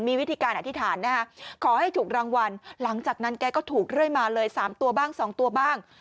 มีวิธีการอธิษฐานนะฮะขอให้ถูกรางวัลหลังจากนั้นแกก็ถูกเรื่อยมาเลย๓ตัวบ้าง๒ตัวบ้าง